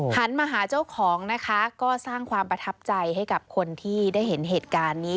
หันมาหาเจ้าของนะคะก็สร้างความประทับใจให้กับคนที่ได้เห็นเหตุการณ์นี้